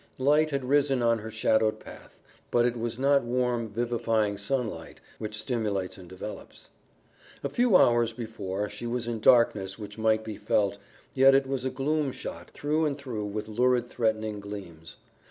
Light had risen on her shadowed path, but it was not warm, vivifying sunlight, which stimulates and develops. A few hours before she was in darkness which might be felt yet it was a gloom shot through and through with lurid threatening gleams.